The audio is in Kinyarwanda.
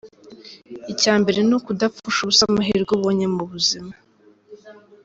Icya mbere ni ukudapfusha ubusa amahirwe ubonye mu buzima.